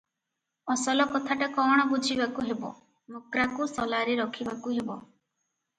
ଅସଲ କଥାଟା କ’ଣ ବୁଝିବାକୁ ହେବ ।' ମକ୍ରାକୁ ସଲାରେ ରଖିବାକୁ ହେବ ।